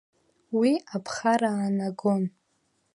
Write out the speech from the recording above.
Уи аԥхара аанагон.